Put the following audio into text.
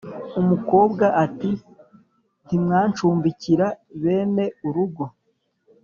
umukobwa ati: "Ntimwancumbikira bene urugo?"